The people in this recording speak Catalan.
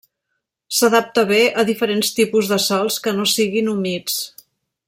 S'adapta bé a diferents tipus de sòls que no siguin humits.